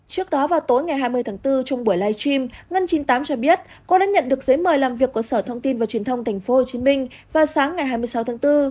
trước đó vào tối ngày hai mươi tháng bốn trong buổi live stream ngân chín mươi tám cho biết cô đã nhận được giấy mời làm việc của sở thông tin và truyền thông tp hcm vào sáng ngày hai mươi sáu tháng bốn